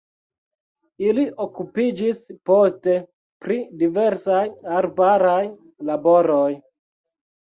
Ili okupiĝis poste pri diversaj arbaraj laboroj.